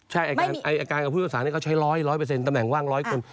ใช่อายการกับผู้ศักดิ์ศาสตร์นี้ก็ใช้๑๐๐ตำแหน่งว่าง๑๐๐คน